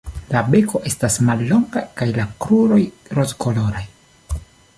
La beko estas mallonga kaj la kruroj rozkoloraj.